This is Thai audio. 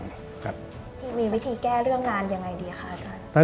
เจ้า๑๕๐๐บาทมีวิธีแก้เรื่องงานยังไงดีคะอาจารย์